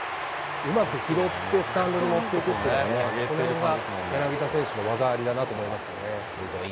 うまく拾って、スタンドに持っていくっていうのは、これは柳田選手の技ありだなと思いますけどね。